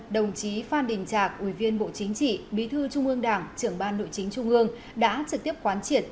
đồng chí phan đình trạc ủy viên bộ chính trị bí thư trung ương đảng trưởng ban nội chính trung ương đã trực tiếp quán triệt